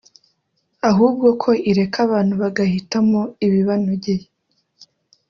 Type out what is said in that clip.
ahubwo ko ireka abantu bagahitamo ibibanogeye